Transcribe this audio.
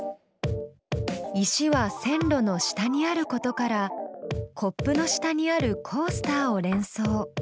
石は線路の下にあることからコップの下にあるコースターを連想。